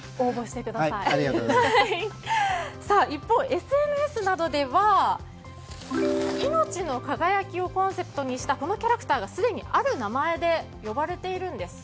一方、ＳＮＳなどではいのちの輝きをコンセプトにしたこのキャラクターがすでにある名前で呼ばれているんです。